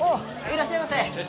いらっしゃいませ。